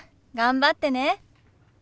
頑張ってね。